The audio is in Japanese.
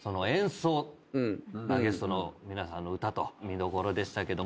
ゲストの皆さんの歌と見どころでしたけども。